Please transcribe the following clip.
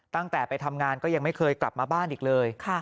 ตั้งแต่ไปทำงานก็ยังไม่เคยกลับมาบ้านอีกเลย